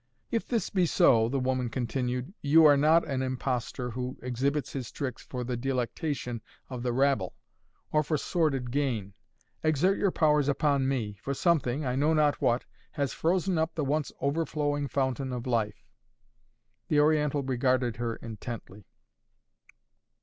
"If this be so," the woman continued, "if you are not an impostor who exhibits his tricks for the delectation of the rabble, or for sordid gain exert your powers upon me, for something, I know not what, has frozen up the once overflowing fountain of life." The Oriental regarded her intently.